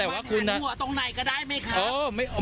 บรรทันหัวตรงไหนก็ได้ไหมครับ